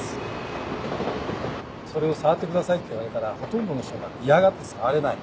それを触ってくださいって言われたらほとんどの人が嫌がって触れない。